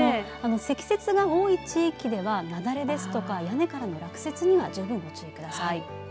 積雪が多い地域では雪崩ですとか屋根からの落雪には十分ご注意ください。